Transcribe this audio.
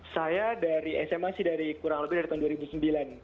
saya dari sma sih dari kurang lebih dari tahun dua ribu sembilan